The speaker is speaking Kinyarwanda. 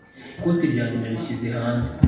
Ikote ryanjye narishize hanze